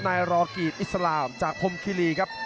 นายรอกีตอิสลามจากพรมคิรีครับ